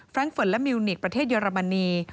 แฟรงกฟิล์ดและมิวนิคประเทศเยอรมนี